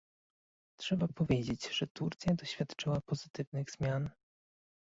Trzeba powiedzieć, że Turcja doświadczyła pozytywnych zmian